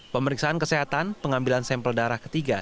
pemeriksaan kesehatan pengambilan sampel darah ketiga